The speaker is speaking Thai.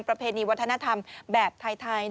ประเพณีวัฒนธรรมแบบไทย